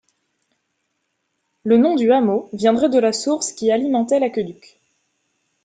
Le nom du hameau viendrait de la source qui alimentait l'aqueduc.